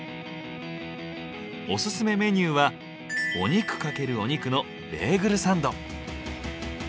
オススメメニューは「お肉×お肉」のベーグルサンド。